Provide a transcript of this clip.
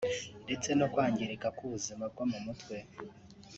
ndetse no kwangirika kw’ubuzima bwo mu mutwe